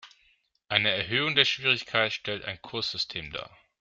Eine Erhöhung der Schwierigkeit stellt ein Kurssystem dar.